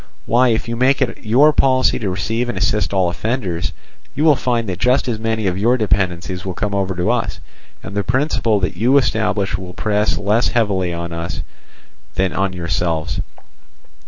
Why, if you make it your policy to receive and assist all offenders, you will find that just as many of your dependencies will come over to us, and the principle that you establish will press less heavily on us than on yourselves.